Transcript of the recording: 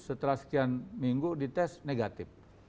setelah sekian minggu dites negatif